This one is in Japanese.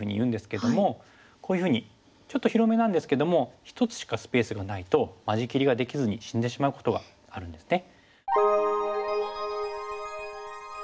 こういうふうにちょっと広めなんですけども１つしかスペースがないと間仕切りができずに死んでしまうことがあるんですね。